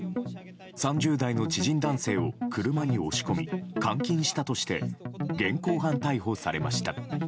３０代の知人男性を車に押し込み監禁したとして現行犯逮捕されました。